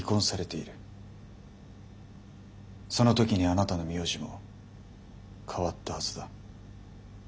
その時にあなたの名字も変わったはずだ。